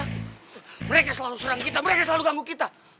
mereka selalu serang kita mereka selalu ganggu kita